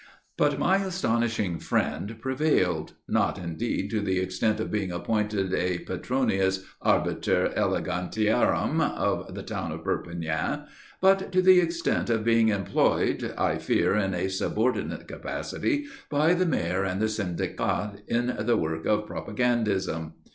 But my astonishing friend prevailed not indeed to the extent of being appointed a Petronius, arbiter élegantiarum, of the town of Perpignan; but to the extent of being employed, I fear in a subordinate capacity, by the Mayor and the Syndicat in the work of propagandism.